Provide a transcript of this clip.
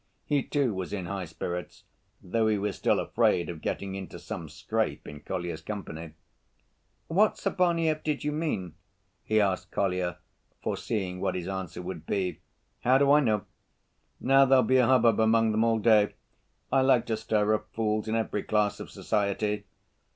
He too was in high spirits, though he was still afraid of getting into some scrape in Kolya's company. "What Sabaneyev did you mean?" he asked Kolya, foreseeing what his answer would be. "How do I know? Now there'll be a hubbub among them all day. I like to stir up fools in every class of society.